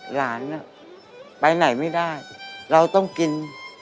หลานไปไหนไม่ได้เราต้องกิน